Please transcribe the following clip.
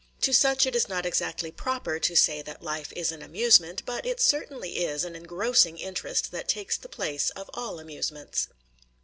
To such it is not exactly proper to say that life is an amusement, but it certainly is an engrossing interest that takes the place of all amusements.